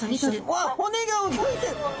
わっ骨がうギョいてる！